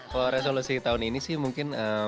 kalau resolusi tahun ini sih mungkin